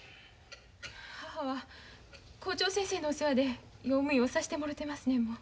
母は校長先生のお世話で用務員をさしてもろてますねんもん。